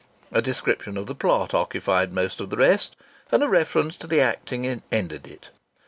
A description of the plot occupied most of the rest, and a reference to the acting ended it.